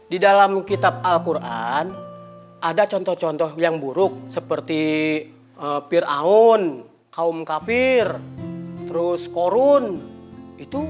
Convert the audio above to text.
di dalam kitab alquran ada contoh contoh yang buruk seperti pir'aun kaum kafir terus korun itu